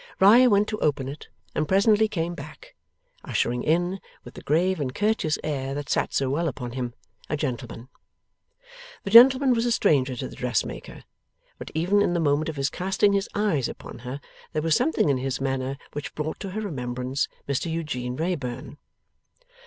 Riah went to open it, and presently came back, ushering in, with the grave and courteous air that sat so well upon him, a gentleman. The gentleman was a stranger to the dressmaker; but even in the moment of his casting his eyes upon her, there was something in his manner which brought to her remembrance Mr Eugene Wrayburn.